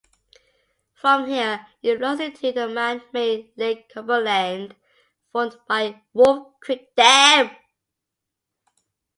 From here it flows into the man-made Lake Cumberland, formed by Wolf Creek Dam.